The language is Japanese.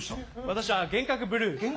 私は幻覚ブルー？